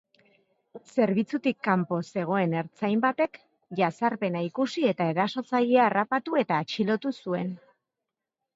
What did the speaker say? Zerbitzutik kanpo zegoen ertzain batek jazarpena ikusi eta erasotzailea harrapatu eta atxilotu zuen.